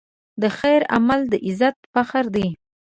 د خیر عمل د عزت فخر دی.